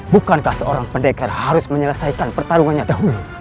bukankah seorang pendekar harus menyelesaikan pertarungannya dahulu